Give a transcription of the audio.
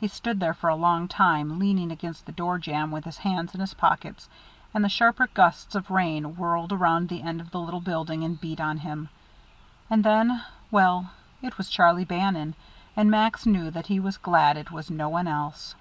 He stood there for a long time, leaning against the door jamb with his hands in his pockets, and the sharper gusts of rain whirled around the end of the little building and beat on him. And then well, it was Charlie Bannon; and Max knew that he was glad it was no one else.